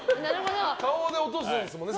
顔で落とすんですもんね